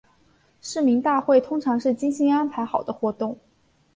市民大会通常是精心安排好的活动。